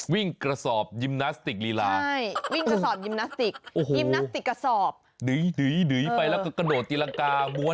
วิ่งกระสอบยิมนาสติกฤลา